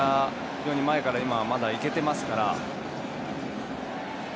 非常に前からまだいけていますから。